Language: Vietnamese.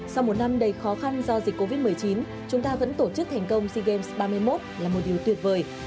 sau một năm đầy khó khăn do dịch covid một mươi chín chúng ta vẫn tổ chức thành công sea games ba mươi một là một điều tuyệt vời